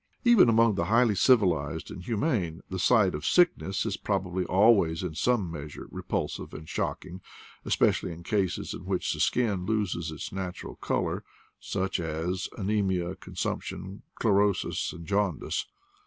Even among the highly civilized and humane, the sight of sickness is probably always, in some measure, repulsive and shocking, espe cially in cases in which the skin loses its natural color, such as anaemia, consumption, chlorosis, and jaundice.